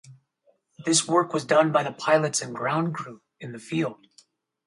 This work was done by the pilots and ground crew in the field.